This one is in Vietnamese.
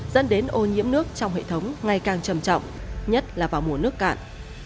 dẫn đến ô nhiễm nước trong hệ thống ngày càng trầm trọng nhất là vào mùa nước cạn